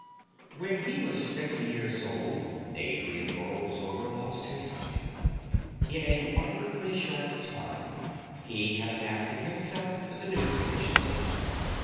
When he was fifty years old Adrian Borlsover lost his sight. In a wonderfully short time he had adapted himself to the new conditions of life.